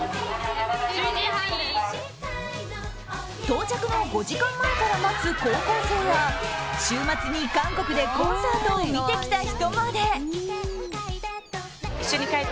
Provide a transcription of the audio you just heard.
到着の５時間前から待つ高校生や週末に韓国でコンサートを見てきた人まで。